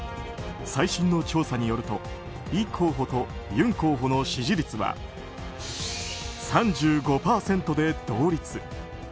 最新の調査によるとイ候補とユン候補の支持率は３５％で同率。